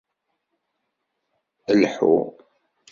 Lḥu